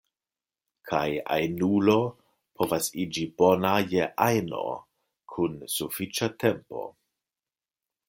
Kaj ajnulo povas iĝi bona je ajno kun sufiĉa tempo.